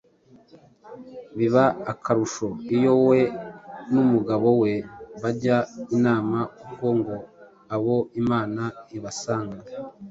Biba akarusho iyo we n’umugabo we bajya inama kuko ngo abo Imana ibasanga.